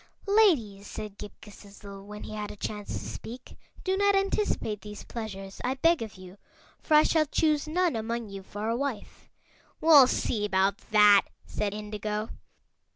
"Ladies," said Ghip Ghisizzle, when he had a chance to speak, "do not anticipate these pleasures, I beg of you, for I shall choose none among you for a wife." "We'll see about that," said Indigo.